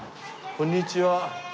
こんにちは。